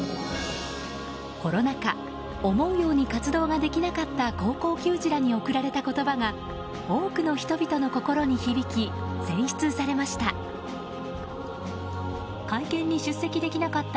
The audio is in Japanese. コロナ禍思うように活動ができなかった高校球児らに送られた言葉が多くの人々の心に響き選出されました。